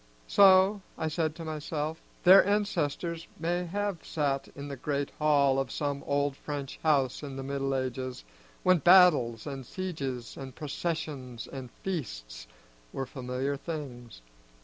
So, I said to myself, their ancestors may have sat in the great hall of some old French house in the Middle Ages, when battles and sieges and processions and feasts were familiar things.